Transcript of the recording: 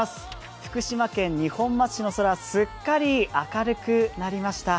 福島県二本松市の空すっかり明るくなりました。